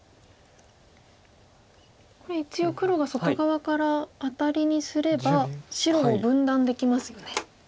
これ一応黒が外側からアタリにすれば白を分断できますよね。